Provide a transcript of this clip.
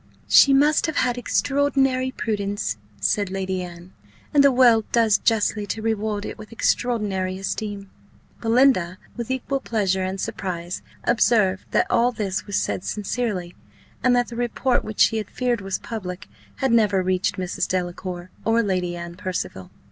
"She must have had extraordinary prudence," said Lady Anne; "and the world does justly to reward it with extraordinary esteem." Belinda, with equal pleasure and surprise, observed that all this was said sincerely, and that the report, which she had feared was public, had never reached Mrs. Delacour or Lady Anne Percival.